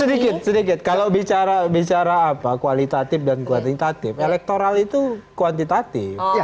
tunggu tunggu tunggu sedikit kalau bicara kualitatif dan kualitatif elektoral itu kuantitatif